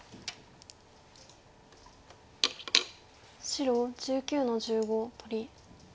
白１９の十五取り。